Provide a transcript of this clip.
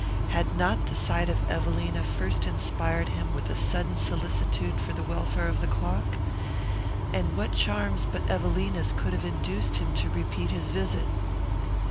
Had not the sight of Evelina first inspired him with a sudden solicitude for the welfare of the clock? And what charms but Evelina's could have induced him to repeat his visit?